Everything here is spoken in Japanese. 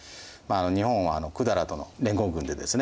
日本は百済との連合軍でですね